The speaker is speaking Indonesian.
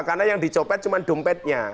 karena yang dicopet cuma dompetnya